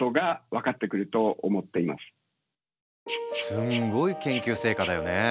すんごい研究成果だよね。